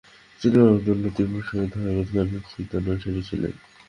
তিনি নবাব আবদুল লতিফ ও সৈয়দ আহমদ খানের চিন্তানুসারী ছিলেন।